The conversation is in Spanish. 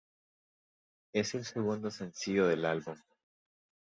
Es el segundo sencillo del álbum.